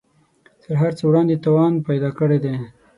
تر هر څه وړاندې توان پیدا کړی دی